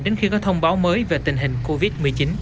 đến khi có thông báo mới về tình hình covid một mươi chín